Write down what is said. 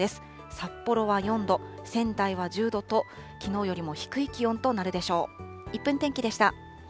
札幌は４度、仙台は１０度と、きのうよりも低い気温となるでしょう。